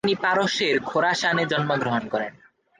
তিনি পারস্যের খোরাসানে জন্মগ্রহণ করে।